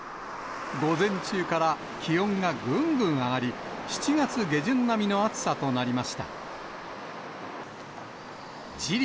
午前中から、気温がぐんぐん上がり、７月下旬並みの暑さとなりました。